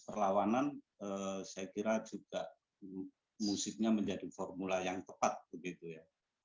perlawanan saya kira juga musiknya menjadi formula yang tepat begitu ya